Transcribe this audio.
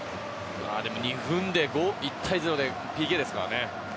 ２分で１対０でＰＫですからね。